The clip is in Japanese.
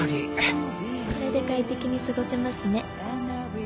これで快適に過ごせますね。